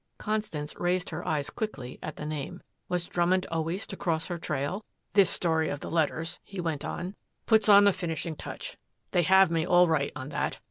Constance raised her eyes quickly at the name. "Was Drummond always to cross her trail? "This story of the letters," he went on, "puts on the finishing touch. They have me all right on that.